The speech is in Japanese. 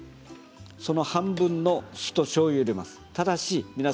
その半分のお酢としょうゆを入れます。